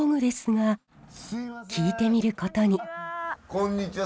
こんにちは。